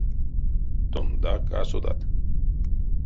Тонгак а содат.